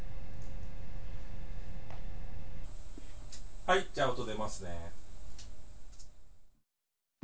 はいじゃあ音出ますね。